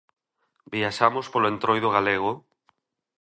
Viaxamos polo Entroido Galego?